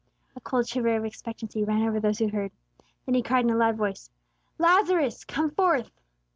A cold shiver of expectancy ran over those who heard. Then He cried, in a loud voice, "_Lazarus, come forth!